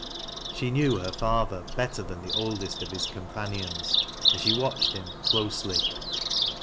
She knew her father better than the oldest of hii companions, and she watched him. close'Jy.